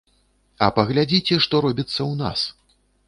А паглядзіце, што робіцца ў нас.